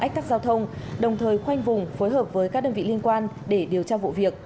ách tắc giao thông đồng thời khoanh vùng phối hợp với các đơn vị liên quan để điều tra vụ việc